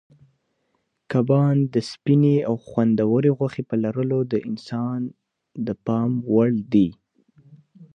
کبان د سپینې او خوندورې غوښې په لرلو د انسان پام وړ دي.